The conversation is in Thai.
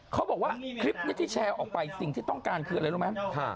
เขาบอกว่าคลิปนี้ที่แชร์ออกไปสิ่งที่ต้องการคืออะไรรู้ไหม